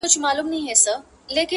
ویل صاحبه زموږ خو ټول ابرو برباد سوه,